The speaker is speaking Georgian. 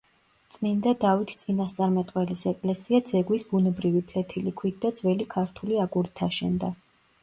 წმინდა დავით წინასწარმეტყველის ეკლესია ძეგვის ბუნებრივი ფლეთილი ქვით და ძველი ქართული აგურით აშენდა.